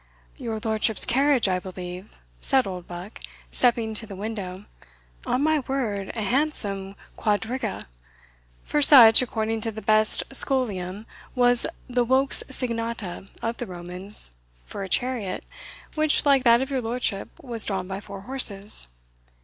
"Your lordship's carriage, I believe," said Oldbuck, stepping to the window. "On my word, a handsome quadriga, for such, according to the best scholium, was the vox signata of the Romans for a chariot which, like that of your lordship, was drawn by four horses."